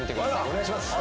お願いします